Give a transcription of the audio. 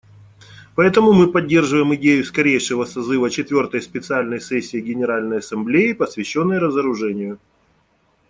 Поэтому мы поддерживаем идею скорейшего созыва четвертой специальной сессии Генеральной Ассамблеи, посвященной разоружению.